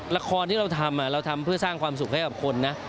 ละครที่เราทำเราทำเพื่อสร้างความสุขให้กับคนนะ